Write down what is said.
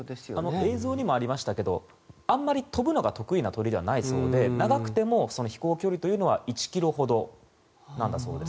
映像にもありましたがあんまり飛ぶのが得意な鳥ではないそうで長くても飛ぶ距離は１ｋｍほどだそうです。